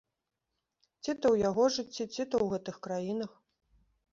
Ці то ў яго жыцці, ці то ў гэтых краінах.